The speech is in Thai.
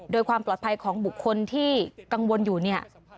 โดยความปลอดภัยของบุคคลที่กังวลอยู่เนี่ย